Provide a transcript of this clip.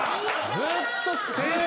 ・ずっと。